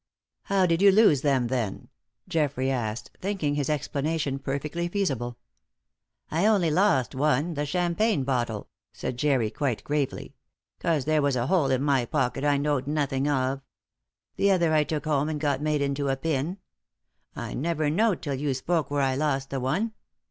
"How did you lose them, then?" Geoffrey asked, thinking this explanation perfectly feasible. "I only lost one the champagne bottle," said Jerry quite gravely, "'cause there was a hole in my pocket I know'd nothing of. The other I took home and got made into a pin. I never know'd till you spoke where I lost the one!